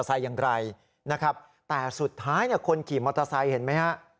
กับมอเตอร์ไซต์อย่างไรนะครับแต่สุดท้ายคนขี่มอเตอร์ไซต์เห็นไหมฮะ